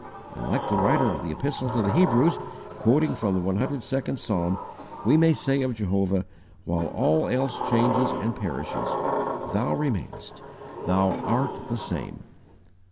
And, like the writer of the Epistle to the Hebrews, quoting from the 102nd Psalm, we may say of Jehovah, while all else changes and perishes: "THOU REMAINEST"; "THOU ART THE SAME."